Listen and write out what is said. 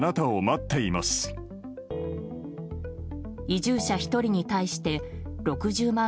移住者１人に対して６０万